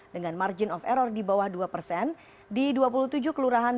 dengan margin of error di bawah dua persen